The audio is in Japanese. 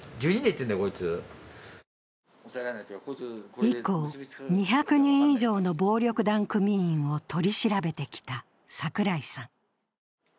以降、２００人以上の暴力団組員を取り調べてきた櫻井さん。